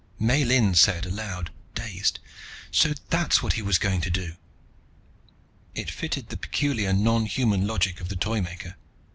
Miellyn said aloud, dazed, "So that's what he was going to do!" It fitted the peculiar nonhuman logic of the Toymaker.